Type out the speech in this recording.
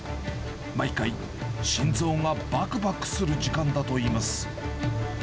毎回、心臓がばくばくする時間だといいます。